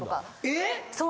えっ！？